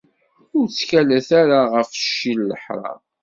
Ur ttkalet ara ɣef cci n leḥram.